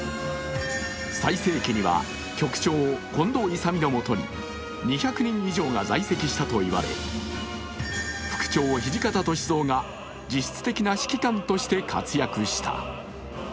最盛期には局長・近藤勇のもとに２００人以上が在籍したといわれ副長・土方歳三が実質的な指揮官として活躍した。